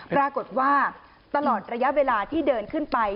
ปรากฏว่าตลอดระยะเวลาที่เดินขึ้นไป